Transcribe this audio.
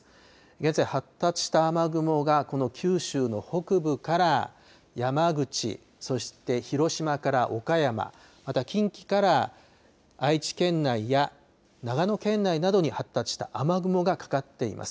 現在、発達した雨雲が、この九州の北部から山口、そして広島から岡山、また近畿から愛知県内や長野県内などに、発達した雨雲がかかっています。